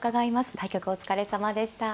対局お疲れさまでした。